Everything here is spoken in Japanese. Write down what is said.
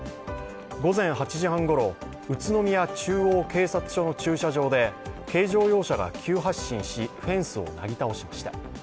午前８時半ごろ、宇都宮中央警察署の駐車場で、軽乗用車が急発進しフェンスをなぎ倒しました。